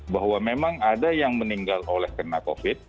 bahwa memang ada yang meninggal oleh kena covid